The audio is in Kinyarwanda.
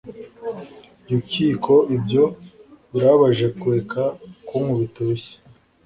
Yukiko Ibyo birababaje Kureka kunkubita urushyi